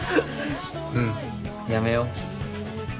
うんやめよう。